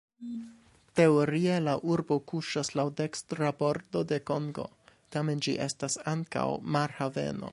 Teorie la urbo kuŝas laŭ dekstra bordo de Kongo, tamen ĝi estas ankaŭ marhaveno.